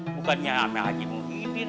bukannya sama haji muhyiddin